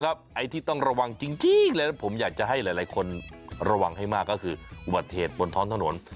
ไอ้ที่ต้องระวังจริงเลยนะผมอยากจะให้หลายคนระวังให้มากก็คืออุบัติเหตุบนท้องถนน